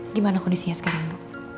gimana kondisinya sekarang